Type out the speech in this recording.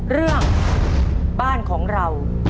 เรื่องบ้านของเรา